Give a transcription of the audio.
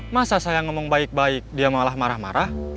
masa saya ngomong baik baik dia malah marah marah